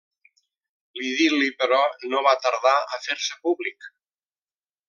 L'idil·li, però, no va tardar a fer-se públic.